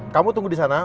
kamu tunggu di sana